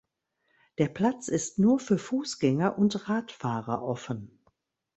Der Platz ist nur für Fußgänger und Radfahrer offen.